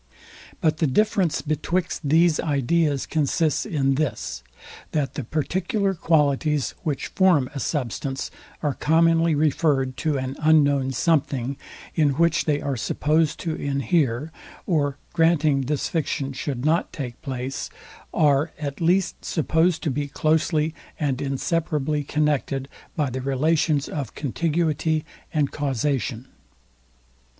But the difference betwixt these ideas consists in this, that the particular qualities, which form a substance, are commonly referred to an unknown something, in which they are supposed to inhere; or granting this fiction should not take place, are at least supposed to be closely and inseparably connected by the relations of contiguity and causation.